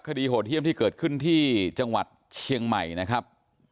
โหดเยี่ยมที่เกิดขึ้นที่จังหวัดเชียงใหม่นะครับ